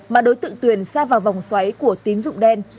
mà đối tượng tuyền xa vào vòng xoáy của tín dụng đen